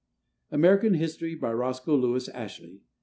["American History." By Roscoe Lewis Ashley.